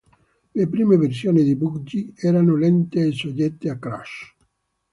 Le prime versioni di Budgie erano lente e soggette a crash.